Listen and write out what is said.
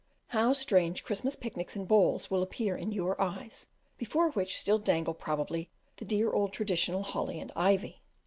How strange Christmas picnics and balls will appear in your eyes, before which still dangle probably the dear old traditional holly and ivy!